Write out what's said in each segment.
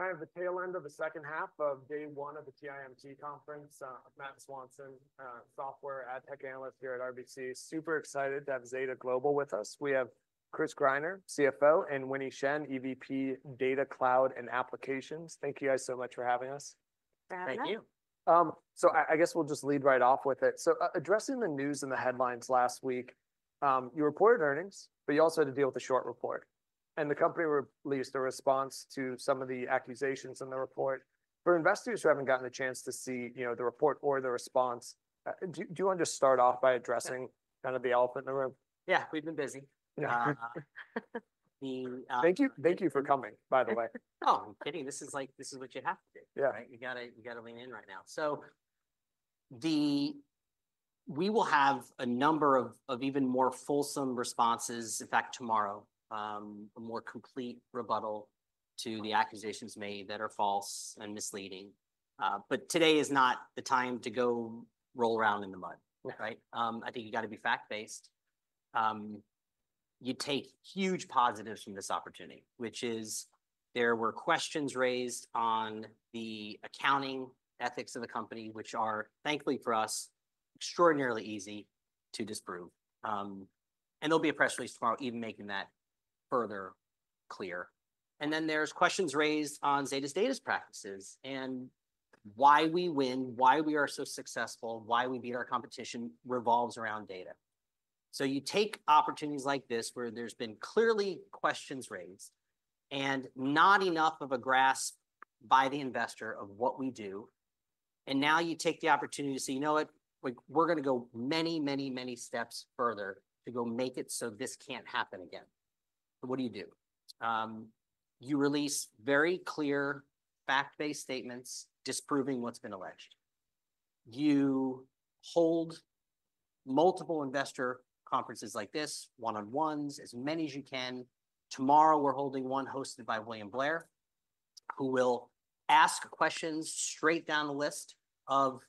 Kind of the tail end of the second half of day one of the TIMT conference. Matt Swanson, software AdTech analyst here at RBC, super excited to have Zeta Global with us. We have Chris Greiner, CFO, and Winnie Shen, EVP, Data, Cloud, and Applications. Thank you guys so much for having us. Thank you. So, I guess we'll just lead right off with it. So addressing the news and the headlines last week, you reported earnings, but you also had to deal with a short report. And the company released a response to some of the accusations in the report. For investors who haven't gotten the chance to see, you know, the report or the response, do you want to just start off by addressing kind of the elephant in the room? Yeah, we've been busy. Thank you. Thank you for coming, by the way. Oh, I'm kidding. This is like, this is what you have to do. Yeah. Right? You got to lean in right now. So we will have a number of even more fulsome responses, in fact, tomorrow, a more complete rebuttal to the accusations made that are false and misleading. But today is not the time to go roll around in the mud, right? I think you got to be fact-based. You take huge positives from this opportunity, which is there were questions raised on the accounting ethics of the company, which are, thankfully for us, extraordinarily easy to disprove. And there'll be a press release tomorrow even making that further clear. And then there's questions raised on Zeta's data practices and why we win, why we are so successful, why we beat our competition revolves around data. So you take opportunities like this where there's been clearly questions raised and not enough of a grasp by the investor of what we do. And now you take the opportunity to say, you know what, we're going to go many, many, many steps further to go make it so this can't happen again. So what do you do? You release very clear fact-based statements disproving what's been alleged. You hold multiple investor conferences like this, one-on-ones, as many as you can. Tomorrow we're holding one hosted by William Blair, who will ask questions straight down the list of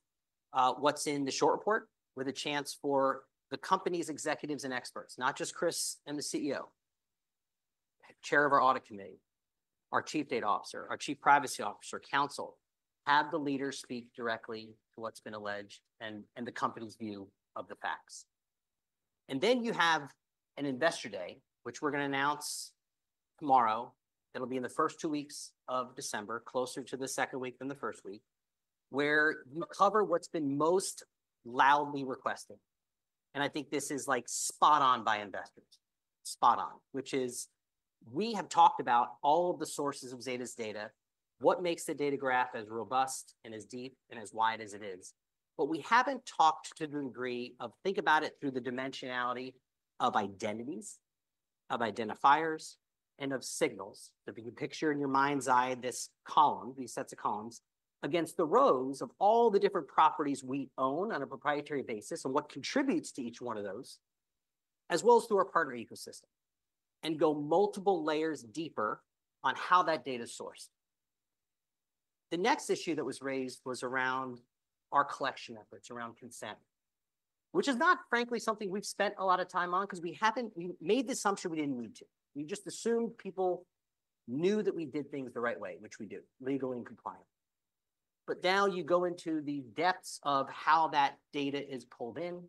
what's in the short report with a chance for the company's executives and experts, not just Chris and the CEO, Chair of our audit committee, our Chief Data Officer, our Chief Privacy Officer, counsel. Have the leaders speak directly to what's been alleged and the company's view of the facts. And then you have an investor day, which we're going to announce tomorrow. That'll be in the first two weeks of December, closer to the second week than the first week, where you cover what's been most loudly requested, and I think this is like spot on by investors, spot on, which is we have talked about all of the sources of Zeta's data, what makes the identity graph as robust and as deep and as wide as it is, but we haven't talked to the degree of think about it through the dimensionality of identities, of identifiers, and of signals, so if you picture in your mind's eye this column, these sets of columns against the rows of all the different properties we own on a proprietary basis and what contributes to each one of those, as well as through our partner ecosystem, and go multiple layers deeper on how that data is sourced. The next issue that was raised was around our collection efforts, around consent, which is not frankly something we've spent a lot of time on because we haven't made the assumption we didn't need to. We just assumed people knew that we did things the right way, which we do, legally and compliant. But now you go into the depths of how that data is pulled in,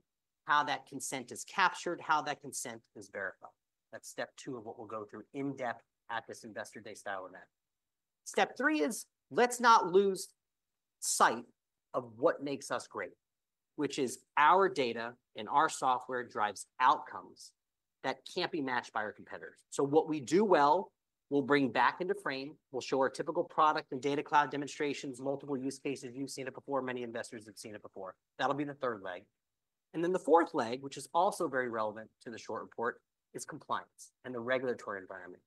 how that consent is captured, how that consent is verified. That's step two of what we'll go through in depth at this investor day style event. Step three is let's not lose sight of what makes us great, which is our data and our software drives outcomes that can't be matched by our competitors. So what we do well we'll bring back into frame. We'll show our typical product and data cloud demonstrations, multiple use cases. You've seen it before. Many investors have seen it before. That'll be the third leg. And then the fourth leg, which is also very relevant to the short report, is compliance and the regulatory environment.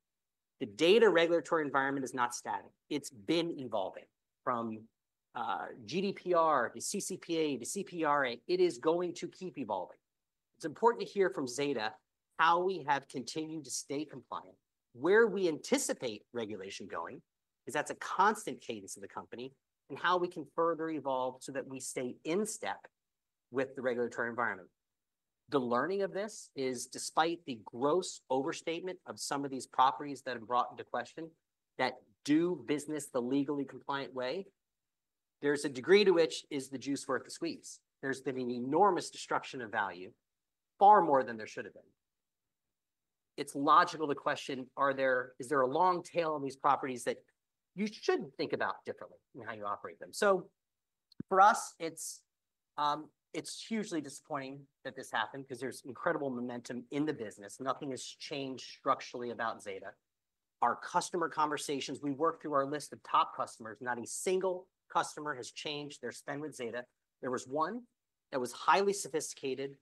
The data regulatory environment is not static. It's been evolving from GDPR to CCPA to CPRA. It is going to keep evolving. It's important to hear from Zeta how we have continued to stay compliant, where we anticipate regulation going, because that's a constant cadence of the company, and how we can further evolve so that we stay in step with the regulatory environment. The learning of this is despite the gross overstatement of some of these properties that have brought into question that do business the legally compliant way, there's a degree to which is the juice worth the squeeze. There's been an enormous destruction of value, far more than there should have been. It's logical to question, is there a long tail on these properties that you should think about differently in how you operate them? So for us, it's hugely disappointing that this happened because there's incredible momentum in the business. Nothing has changed structurally about Zeta. Our customer conversations, we work through our list of top customers. Not a single customer has changed their spend with Zeta. There was one that was highly sophisticated,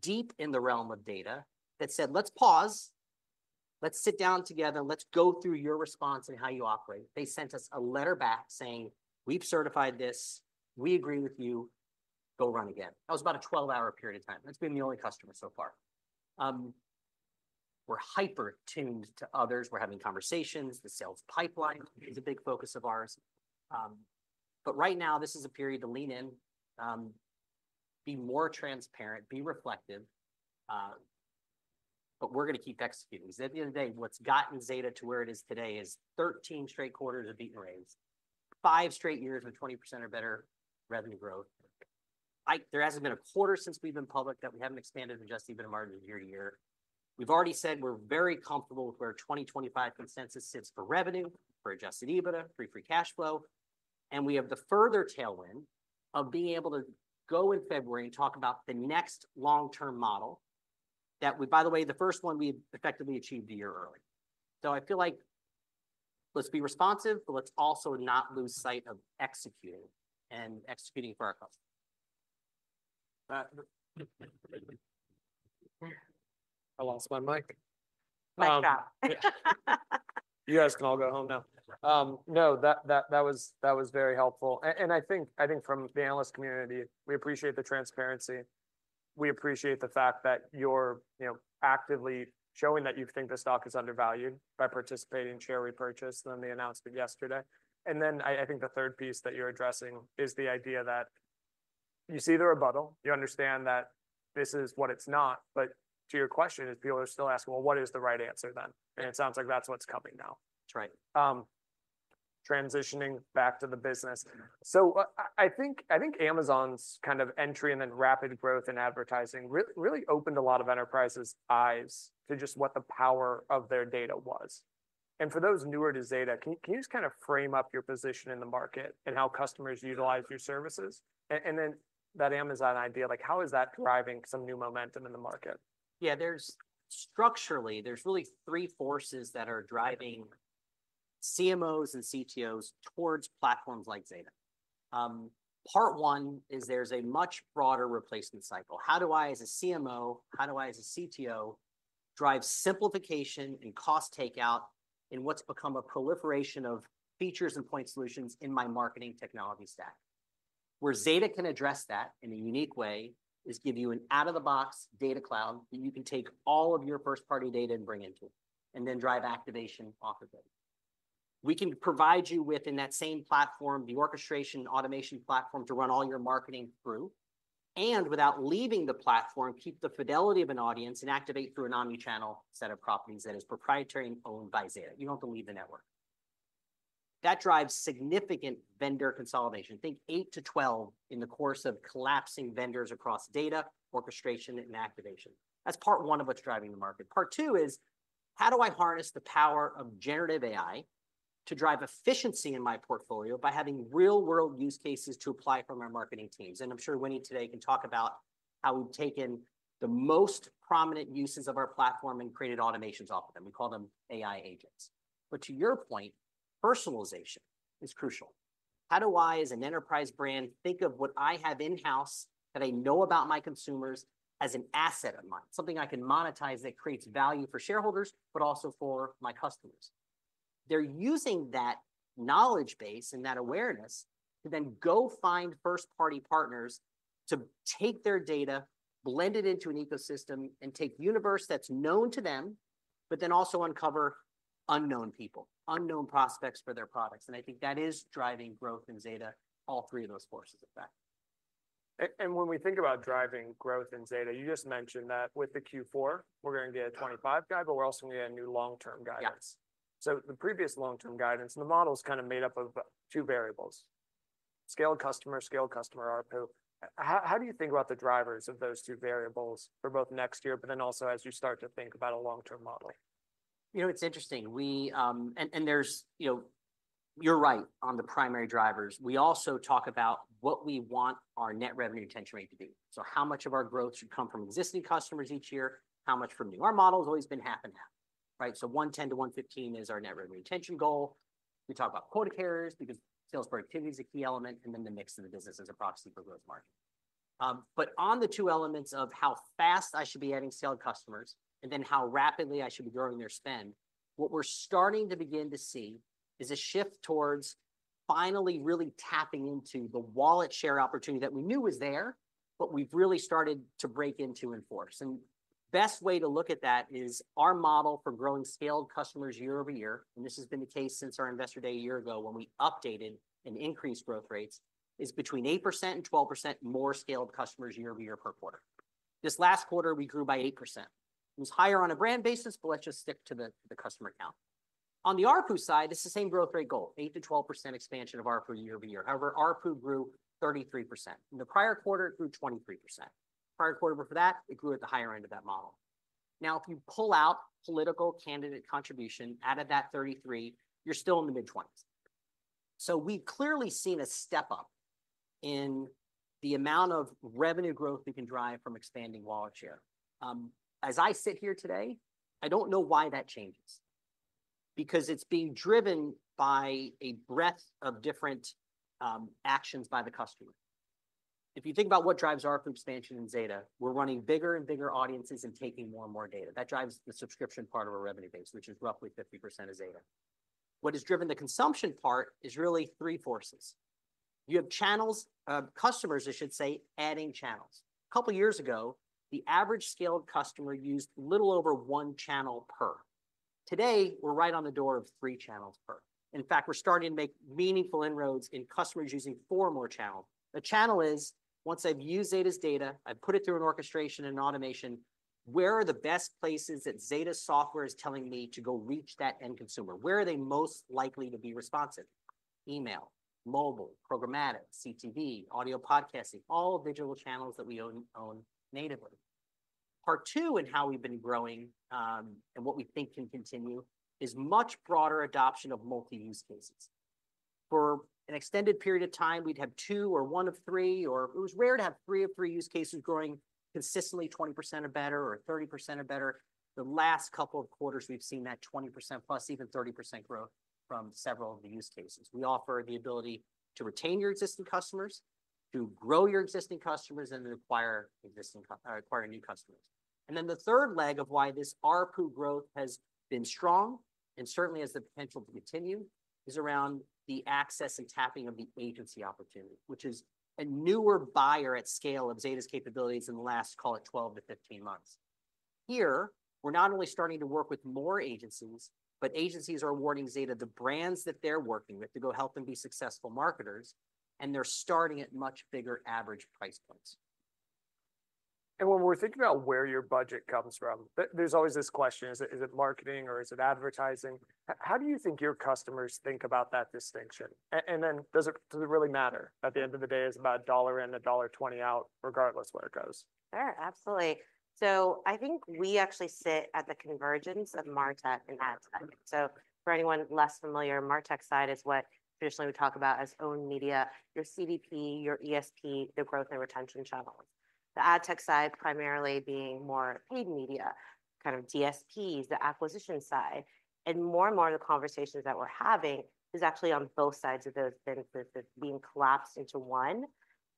deep in the realm of data that said, "Let's pause. Let's sit down together. Let's go through your response and how you operate." They sent us a letter back saying, "We've certified this. We agree with you. Go run again." That was about a 12-hour period of time. That's been the only customer so far. We're hyper-tuned to others. We're having conversations. The sales pipeline is a big focus of ours. But right now, this is a period to lean in, be more transparent, be reflective. But we're going to keep executing. At the end of the day, what's gotten Zeta to where it is today is 13 straight quarters of beating estimates, five straight years with 20% or better revenue growth. There hasn't been a quarter since we've been public that we haven't expanded adjusted EBITDA margin year to year. We've already said we're very comfortable with where 2025 consensus sits for revenue, for adjusted EBITDA, free cash flow. And we have the further tailwind of being able to go in February and talk about the next long-term model that we, by the way, the first one we effectively achieved a year early. So I feel like let's be responsive, but let's also not lose sight of executing and executing for our customers. I lost my mic. My strap. You guys can all go home now. No, that was very helpful. And I think from the analyst community, we appreciate the transparency. We appreciate the fact that you're actively showing that you think the stock is undervalued by participating in share repurchase than the announcement yesterday. And then I think the third piece that you're addressing is the idea that you see the rebuttal. You understand that this is what it's not. But to your question, if people are still asking, well, what is the right answer then? And it sounds like that's what's coming now. That's right. Transitioning back to the business. So I think Amazon's kind of entry and then rapid growth in advertising really opened a lot of enterprises' eyes to just what the power of their data was. And for those newer to Zeta, can you just kind of frame up your position in the market and how customers utilize your services? And then that Amazon idea, like how is that driving some new momentum in the market? Yeah, there's structurally, there's really three forces that are driving CMOs and CTOs towards platforms like Zeta. Part one is there's a much broader replacement cycle. How do I as a CMO, how do I as a CTO drive simplification and cost takeout in what's become a proliferation of features and point solutions in my marketing technology stack? Where Zeta can address that in a unique way is give you an out-of-the-box data cloud that you can take all of your first-party data and bring into it and then drive activation off of it. We can provide you with, in that same platform, the orchestration and automation platform to run all your marketing through, and without leaving the platform, keep the fidelity of an audience and activate through an omnichannel set of properties that is proprietary and owned by Zeta. You don't have to leave the network. That drives significant vendor consolidation. Think eight to 12 in the course of collapsing vendors across data, orchestration, and activation. That's part one of what's driving the market. Part two is how do I harness the power of generative AI to drive efficiency in my portfolio by having real-world use cases to apply for my marketing teams? And I'm sure Winnie today can talk about how we've taken the most prominent uses of our platform and created automations off of them. We call them AI agents. But to your point, personalization is crucial. How do I, as an enterprise brand, think of what I have in-house that I know about my consumers as an asset of mine, something I can monetize that creates value for shareholders, but also for my customers? They're using that knowledge base and that awareness to then go find first-party partners to take their data, blend it into an ecosystem, and take a universe that's known to them, but then also uncover unknown people, unknown prospects for their products, and I think that is driving growth in Zeta, all three of those forces of fact. And when we think about driving growth in Zeta, you just mentioned that with the Q4, we're going to get a 25 guide, but we're also going to get a new long-term guidance. So the previous long-term guidance, and the model is kind of made up of two variables: scaled customer, scaled customer ARPU. How do you think about the drivers of those two variables for both next year, but then also as you start to think about a long-term model? You know, it's interesting. And there's, you know, you're right on the primary drivers. We also talk about what we want our net revenue retention rate to be. So how much of our growth should come from existing customers each year, how much from new. Our model has always been half and half, right? So 110 to 115 is our net revenue retention goal. We talk about quota carriers because sales productivity is a key element, and then the mix of the business as a proxy for gross margin. But on the two elements of how fast I should be adding scaled customers and then how rapidly I should be growing their spend, what we're starting to begin to see is a shift towards finally really tapping into the wallet share opportunity that we knew was there, but we've really started to break into and force. And the best way to look at that is our model for growing scaled customers year over year, and this has been the case since our investor day a year ago when we updated and increased growth rates, is between 8% and 12% more scaled customers year over year per quarter. This last quarter, we grew by 8%. It was higher on a brand basis, but let's just stick to the customer count. On the ARPU side, it's the same growth rate goal, 8%-12% expansion of ARPU year over year. However, ARPU grew 33%. In the prior quarter, it grew 23%. Prior quarter for that, it grew at the higher end of that model. Now, if you pull out political candidate contribution out of that 33%, you're still in the mid-20s. So we've clearly seen a step up in the amount of revenue growth we can drive from expanding wallet share. As I sit here today, I don't know why that changes, because it's being driven by a breadth of different actions by the customer. If you think about what drives our expansion in Zeta, we're running bigger and bigger audiences and taking more and more data. That drives the subscription part of our revenue base, which is roughly 50% of Zeta. What has driven the consumption part is really three forces. You have channels, customers, I should say, adding channels. A couple of years ago, the average scaled customer used little over one channel per. Today, we're right on the door of three channels per. In fact, we're starting to make meaningful inroads in customers using four more channels. The channel is, once I've used Zeta's data, I've put it through an orchestration and automation, where are the best places that Zeta's software is telling me to go reach that end consumer? Where are they most likely to be responsive? Email, mobile, programmatic, CTV, audio podcasting, all digital channels that we own natively. Part two in how we've been growing and what we think can continue is much broader adoption of multi-use cases. For an extended period of time, we'd have two or one of three, or it was rare to have three of three use cases growing consistently 20% or better or 30% or better. The last couple of quarters, we've seen that 20% plus, even 30% growth from several of the use cases. We offer the ability to retain your existing customers, to grow your existing customers, and then acquire new customers. And then the third leg of why this ARPU growth has been strong and certainly has the potential to continue is around the access and tapping of the agency opportunity, which is a newer buyer at scale of Zeta's capabilities in the last, call it 12-15 months. Here, we're not only starting to work with more agencies, but agencies are awarding Zeta the brands that they're working with to go help them be successful marketers, and they're starting at much bigger average price points. And when we're thinking about where your budget comes from, there's always this question: is it marketing or is it advertising? How do you think your customers think about that distinction? And then does it really matter at the end of the day? Is it about $1 in, $1.20 out, regardless where it goes? Sure, absolutely. So I think we actually sit at the convergence of MarTech and AdTech. So for anyone less familiar, MarTech side is what traditionally we talk about as owned media, your CDP, your ESP, the growth and retention channels. The AdTech side primarily being more paid media, kind of DSPs, the acquisition side. And more and more of the conversations that we're having is actually on both sides of those benefits being collapsed into one.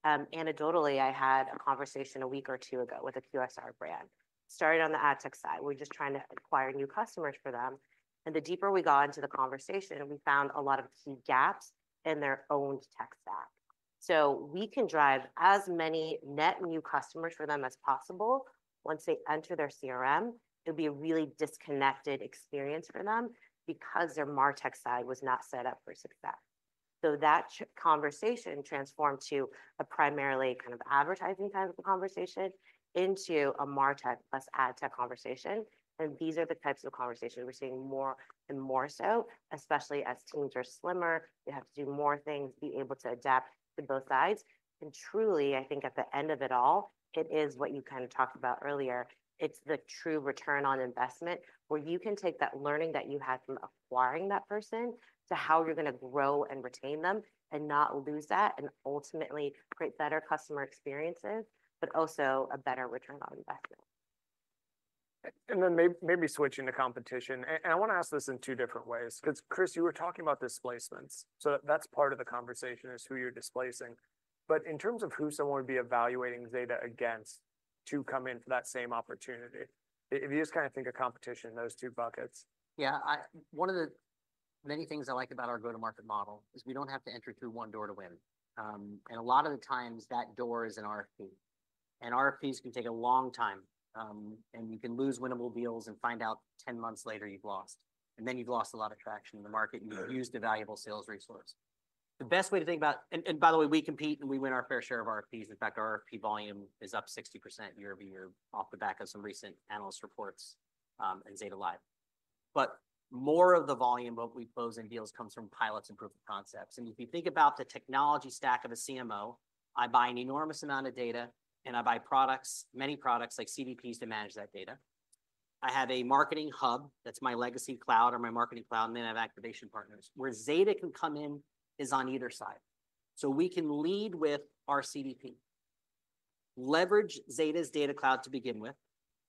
Anecdotally, I had a conversation a week or two ago with a QSR brand. Started on the AdTech side. We're just trying to acquire new customers for them. And the deeper we got into the conversation, we found a lot of key gaps in their own tech stack. So we can drive as many net new customers for them as possible. Once they enter their CRM, it would be a really disconnected experience for them because their MarTech side was not set up for success. So that conversation transformed to a primarily kind of advertising type of conversation into a MarTech plus AdTech conversation. And these are the types of conversations we're seeing more and more so, especially as teams are slimmer, they have to do more things, be able to adapt to both sides. And truly, I think at the end of it all, it is what you kind of talked about earlier. It's the true return on investment where you can take that learning that you had from acquiring that person to how you're going to grow and retain them and not lose that and ultimately create better customer experiences, but also a better return on investment. And then, maybe switching to competition. And I want to ask this in two different ways. Because Chris, you were talking about displacements. So that's part of the conversation is who you're displacing. But in terms of who someone would be evaluating Zeta against to come in for that same opportunity, if you just kind of think of competition, those two buckets. Yeah, one of the many things I like about our go-to-market model is we don't have to enter through one door to win. And a lot of the times that door is an RFP. And RFPs can take a long time. And you can lose winnable deals and find out 10 months later you've lost. And then you've lost a lot of traction in the market. You've used a valuable sales resource. The best way to think about, and by the way, we compete and we win our fair share of RFPs. In fact, our RFP volume is up 60% year over year off the back of some recent analyst reports and Zeta Live. But more of the volume, what we close in deals comes from pilots and proof of concepts. If you think about the technology stack of a CMO, I buy an enormous amount of data and I buy products, many products like CDPs to manage that data. I have a marketing hub that's my legacy cloud or my marketing cloud, and then I have activation partners. Where Zeta can come in is on either side. So we can lead with our CDP, leverage Zeta's Data Cloud to begin with,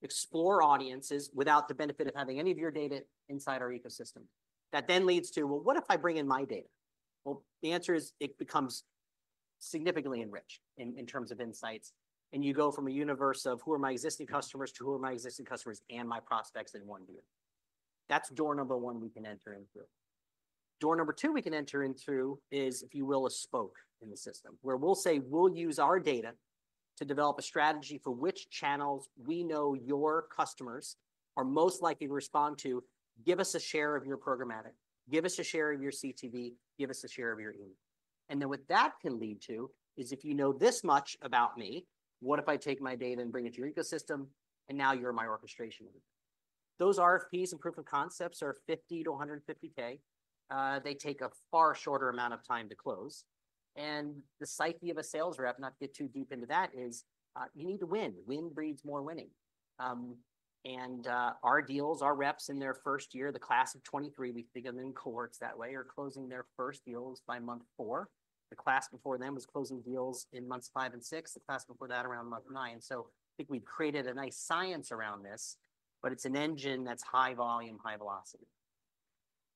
explore audiences without the benefit of having any of your data inside our ecosystem. That then leads to, well, what if I bring in my data? Well, the answer is it becomes significantly enriched in terms of insights. You go from a universe of who are my existing customers to who are my existing customers and my prospects in one view. That's door number one we can enter into. Door number two we can enter into is, if you will, a spoke in the system where we'll say we'll use our data to develop a strategy for which channels we know your customers are most likely to respond to. Give us a share of your programmatic. Give us a share of your CTV. Give us a share of your email. And then what that can lead to is if you know this much about me, what if I take my data and bring it to your ecosystem and now you're my orchestration? Those RFPs and proof of concepts are $50K-$150K. They take a far shorter amount of time to close. And the psyche of a sales rep, not to get too deep into that, is you need to win. Win breeds more winning. Our deals, our reps in their first year, the class of 2023, we think of them in cohorts that way, are closing their first deals by month four. The class before them was closing deals in months five and six. The class before that around month nine. So I think we've created a nice science around this, but it's an engine that's high volume, high velocity.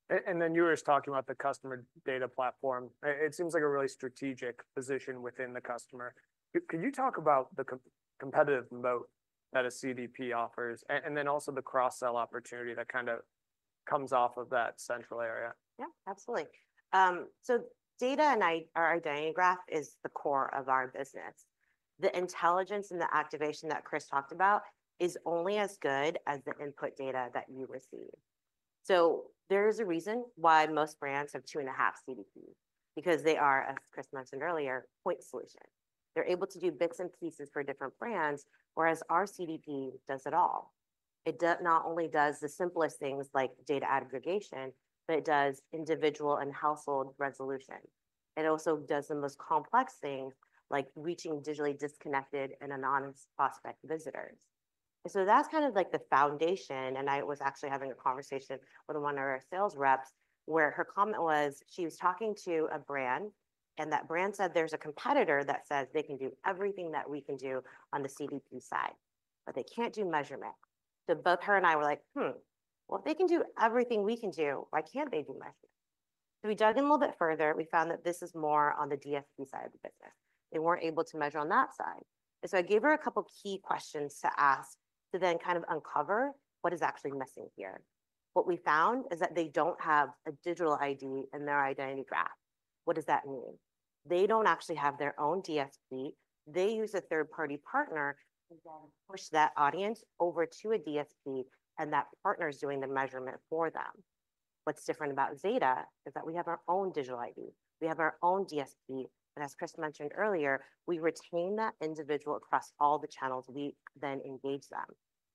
You were just talking about the customer data platform. It seems like a really strategic position within the customer. Could you talk about the competitive moat that a CDP offers and then also the cross-sell opportunity that kind of comes off of that central area? Yeah, absolutely. So data and our identity graph is the core of our business. The intelligence and the activation that Chris talked about is only as good as the input data that you receive. So there is a reason why most brands have two and a half CDPs, because they are, as Chris mentioned earlier, point solution. They're able to do bits and pieces for different brands, whereas our CDP does it all. It not only does the simplest things like data aggregation, but it does individual and household resolution. It also does the most complex things like reaching digitally disconnected and anonymous prospect visitors. And so that's kind of like the foundation. I was actually having a conversation with one of our sales reps where her comment was she was talking to a brand and that brand said there's a competitor that says they can do everything that we can do on the CDP side, but they can't do measurement. Both her and I were like, well, if they can do everything we can do, why can't they do measurement? We dug in a little bit further. We found that this is more on the DSP side of the business. They weren't able to measure on that side. I gave her a couple of key questions to ask to then kind of uncover what is actually missing here. What we found is that they don't have a digital ID in their identity graph. What does that mean? They don't actually have their own DSP. They use a third-party partner to then push that audience over to a DSP, and that partner is doing the measurement for them. What's different about Zeta is that we have our own digital ID. We have our own DSP, and as Chris mentioned earlier, we retain that individual across all the channels. We then engage them,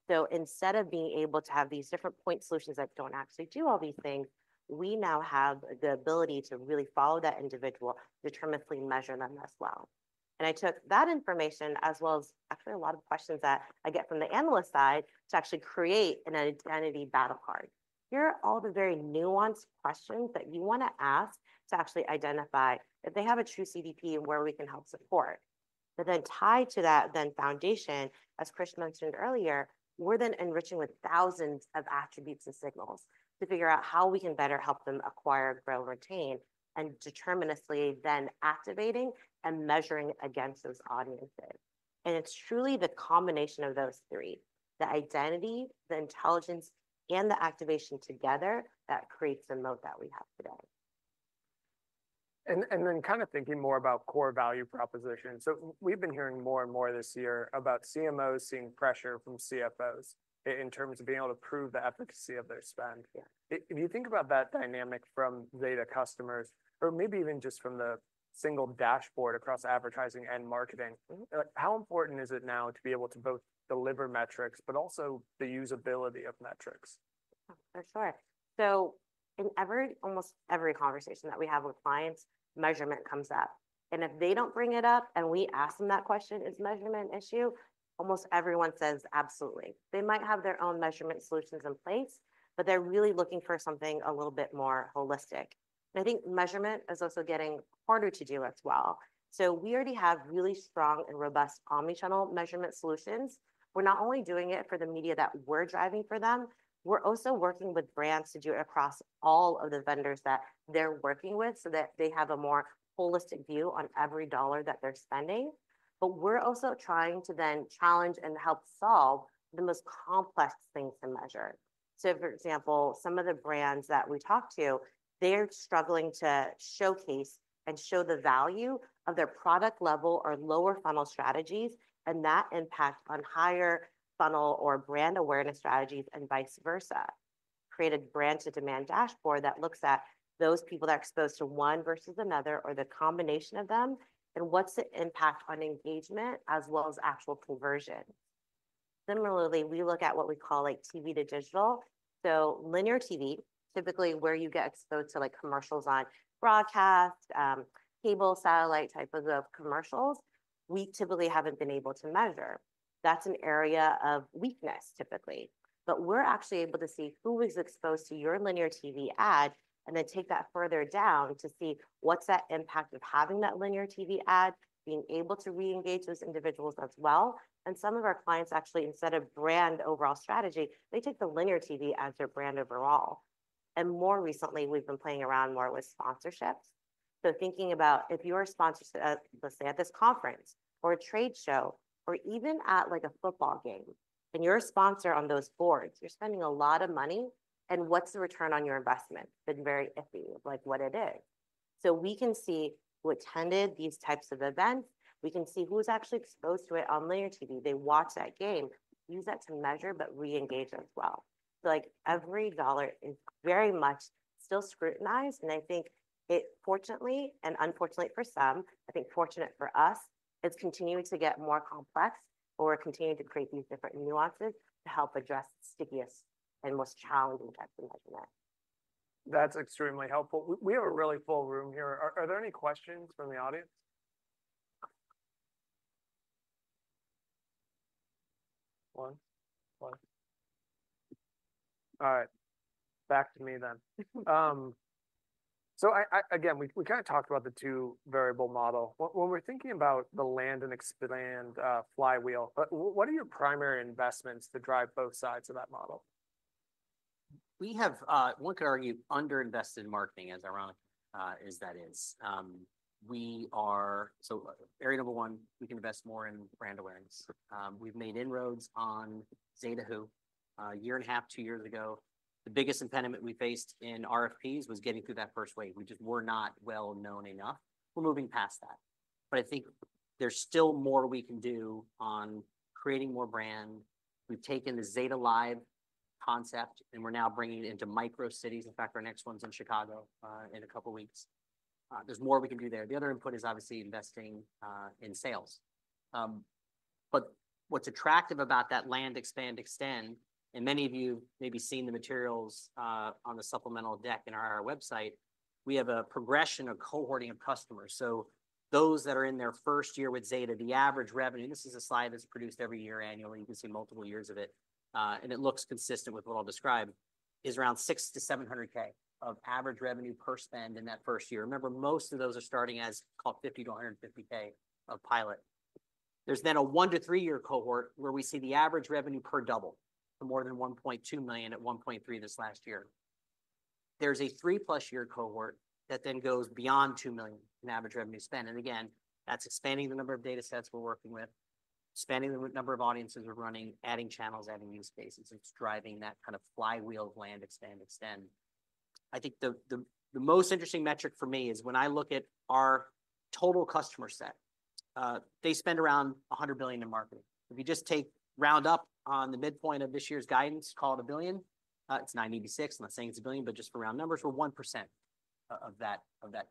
so instead of being able to have these different point solutions that don't actually do all these things, we now have the ability to really follow that individual, deterministically measure them as well, and I took that information, as well as actually a lot of questions that I get from the analyst side, to actually create an identity battle card. Here are all the very nuanced questions that you want to ask to actually identify if they have a true CDP and where we can help support. But then tied to that then foundation, as Chris mentioned earlier, we're then enriching with thousands of attributes and signals to figure out how we can better help them acquire, grow, retain, and deterministically then activating and measuring against those audiences. And it's truly the combination of those three, the identity, the intelligence, and the activation together that creates the moat that we have today. And then kind of thinking more about core value proposition. So we've been hearing more and more this year about CMOs seeing pressure from CFOs in terms of being able to prove the efficacy of their spend. If you think about that dynamic from Zeta customers, or maybe even just from the single dashboard across advertising and marketing, how important is it now to be able to both deliver metrics, but also the usability of metrics? For sure. So in almost every conversation that we have with clients, measurement comes up. And if they don't bring it up and we ask them that question, is measurement an issue? Almost everyone says absolutely. They might have their own measurement solutions in place, but they're really looking for something a little bit more holistic. And I think measurement is also getting harder to do as well. So we already have really strong and robust omnichannel measurement solutions. We're not only doing it for the media that we're driving for them. We're also working with brands to do it across all of the vendors that they're working with so that they have a more holistic view on every dollar that they're spending. But we're also trying to then challenge and help solve the most complex things to measure. For example, some of the brands that we talk to, they're struggling to showcase and show the value of their product level or lower funnel strategies and that impact on higher funnel or brand awareness strategies and vice versa. Created Brand-to-Demand dashboard that looks at those people that are exposed to one versus another or the combination of them and what's the impact on engagement as well as actual conversion. Similarly, we look at what we call like TV to digital. linear TV, typically where you get exposed to like commercials on broadcast, cable, satellite type of commercials, we typically haven't been able to measure. That's an area of weakness typically. We're actually able to see who is exposed to your linear TV ad and then take that further down to see what's that impact of having that linear TV ad, being able to re-engage those individuals as well. Some of our clients actually, instead of brand overall strategy, they take the linear TV as their brand overall. More recently, we've been playing around more with sponsorships. Thinking about if you're sponsored at, let's say, at this conference or a trade show or even at like a football game and you're a sponsor on those boards, you're spending a lot of money and what's the return on your investment been very iffy of like what it is. We can see who attended these types of events. We can see who's actually exposed to it on linear TV. They watch that game, use that to measure, but re-engage as well. So like every dollar is very much still scrutinized. And I think it fortunately and unfortunately for some, I think fortunate for us, is continuing to get more complex or continuing to create these different nuances to help address stickiest and most challenging types of measurement. That's extremely helpful. We have a really full room here. Are there any questions from the audience? One? One? All right. Back to me then. So again, we kind of talked about the two variable model. When we're thinking about the land and expand flywheel, what are your primary investments to drive both sides of that model? We have, one could argue, underinvested in marketing as ironic as that is. We are, so area number one, we can invest more in brand awareness. We've made inroads on Zeta Who a year and a half, two years ago. The biggest impediment we faced in RFPs was getting through that first wave. We just were not well known enough. We're moving past that. But I think there's still more we can do on creating more brand. We've taken the Zeta Live concept and we're now bringing it into micro cities. In fact, our next one's in Chicago in a couple of weeks. There's more we can do there. The other input is obviously investing in sales. But what's attractive about that land, expand, extend, and many of you may be seeing the materials on the supplemental deck and our website, we have a progression of cohorting of customers. So, those that are in their first year with Zeta, the average revenue—this is a slide that's produced every year, annually. You can see multiple years of it. It looks consistent with what I'll describe, which is around $600K-$700K of average revenue per spend in that first year. Remember, most of those are starting as called $50K-$150K of pilot. There's then a one to three year cohort where we see the average revenue per double for more than $1.2 million at $1.3 million this last year. There's a three plus year cohort that then goes beyond $2 million in average revenue spend. Again, that's expanding the number of data sets we're working with, expanding the number of audiences we're running, adding channels, adding use cases. It's driving that kind of flywheel of land, expand, extend. I think the most interesting metric for me is when I look at our total customer set, they spend around $100 billion in marketing. If you just take round up on the midpoint of this year's guidance, call it a billion, it's $0.9 billion. I'm not saying it's a billion, but just for round numbers, we're 1% of that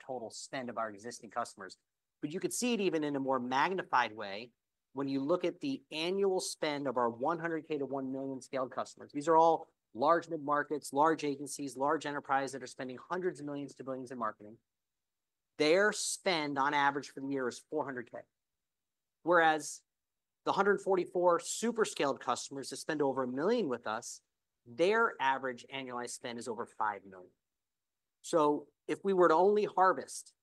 total spend of our existing customers. But you could see it even in a more magnified way when you look at the annual spend of our $100K-$1 million scaled customers. These are all large mid-markets, large agencies, large enterprises that are spending hundreds of millions to billions in marketing. Their spend on average for the year is $400K. Whereas the 144 super scaled customers that spend over $1 million with us, their average annualized spend is over $5 million. So if we were to only harvest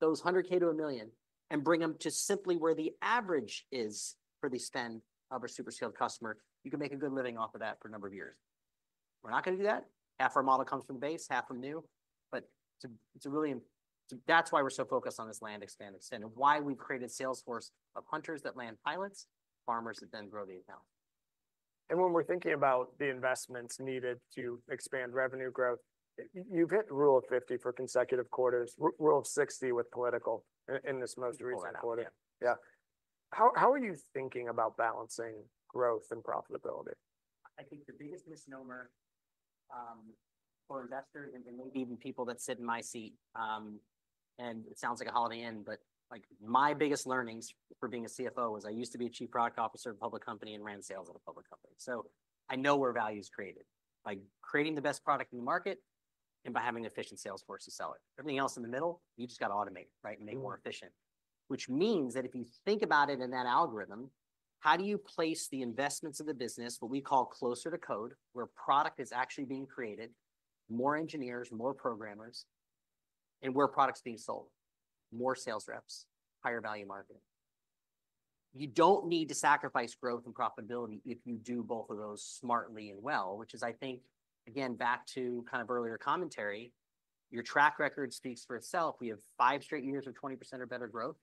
those $100K-$1 million and bring them to simply where the average is for the spend of a super scaled customer, you can make a good living off of that for a number of years. We're not going to do that. Half our model comes from base, half from new. But it's a really, that's why we're so focused on this land, expand, extend, and why we've created sales force of hunters that land pilots, farmers that then grow the account. When we're thinking about the investments needed to expand revenue growth, you've hit rule of 50 for consecutive quarters, rule of 60 with political in this most recent quarter. Yeah. How are you thinking about balancing growth and profitability? I think the biggest misnomer for investors and maybe even people that sit in my seat, but my biggest learnings for being a CFO is I used to be a chief product officer of a public company and ran sales at a public company. So I know where value is created by creating the best product in the market and by having an efficient sales force to sell it. Everything else in the middle, you just got to automate it, right, and make it more efficient. Which means that if you think about it in that algorithm, how do you place the investments of the business, what we call closer to code, where product is actually being created, more engineers, more programmers, and where product's being sold, more sales reps, higher value marketing? You don't need to sacrifice growth and profitability if you do both of those smartly and well, which is, I think, again, back to kind of earlier commentary, your track record speaks for itself. We have five straight years of 20% or better growth,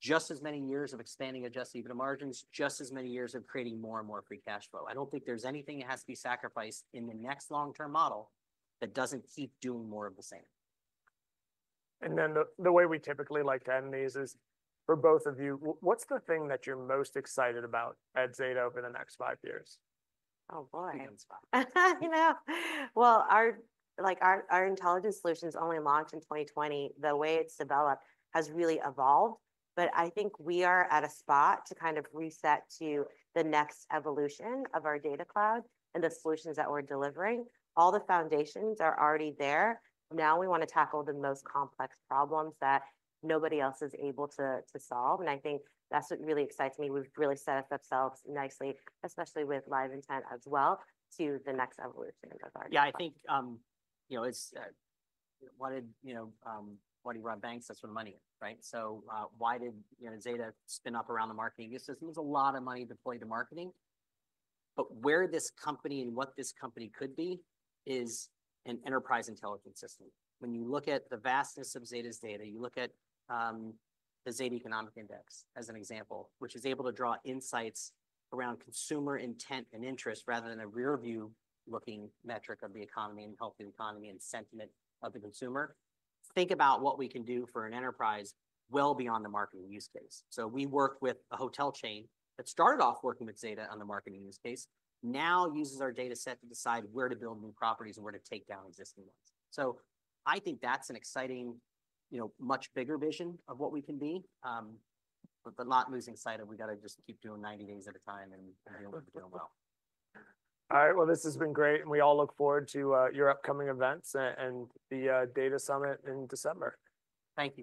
just as many years of expanding adjusted EBITDA margins, just as many years of creating more and more free cash flow. I don't think there's anything that has to be sacrificed in the next long-term model that doesn't keep doing more of the same. And then the way we typically like to end these is for both of you, what's the thing that you're most excited about at Zeta over the next five years? Oh boy. You know, well, our intelligence solution is only launched in 2020. The way it's developed has really evolved. But I think we are at a spot to kind of reset to the next evolution of our data cloud and the solutions that we're delivering. All the foundations are already there. Now we want to tackle the most complex problems that nobody else is able to solve. And I think that's what really excites me. We've really set up ourselves nicely, especially with LiveIntent as well to the next evolution of our data. Yeah, I think, you know, why did you rob banks? That's where the money is, right? So why did, you know, Zeta spin up around the marketing ecosystem? There's a lot of money deployed to marketing. But where this company and what this company could be is an enterprise intelligence system. When you look at the vastness of Zeta's data, you look at the Zeta Economic Index as an example, which is able to draw insights around consumer intent and interest rather than a rearview looking metric of the economy and health of the economy and sentiment of the consumer. Think about what we can do for an enterprise well beyond the marketing use case. So we work with a hotel chain that started off working with Zeta on the marketing use case, now uses our data set to decide where to build new properties and where to take down existing ones. So I think that's an exciting, you know, much bigger vision of what we can be, but not losing sight of we got to just keep doing 90 days at a time and be able to do it well. All right, well, this has been great, and we all look forward to your upcoming events and the Data Summit in December. Thank you.